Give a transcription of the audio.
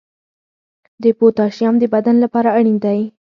د پوتاشیم د بدن لپاره اړین دی.